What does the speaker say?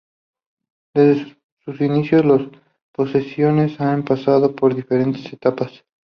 Desde sus inicios, las posesiones han pasado por diferentes etapas.